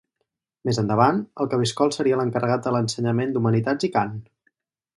Més endavant, el cabiscol seria l'encarregat de l'ensenyament d'humanitats i cant.